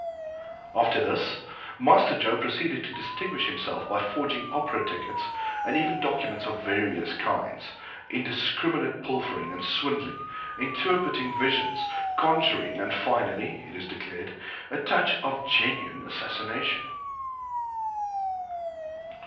After this, Master Joe proceeded to distinguish himself by forging opera tickets, and even documents of various kinds, indiscriminate pilfering and swindling, interpreting visions, conjuring, and finally, it is declared, a touch of genuine assassination.